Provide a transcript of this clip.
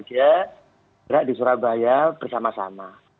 tidak di surabaya bersama sama